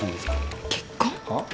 はっ？